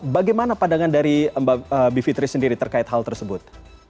bagaimana pandangan dari mbak bivitri sendiri terkait hal tersebut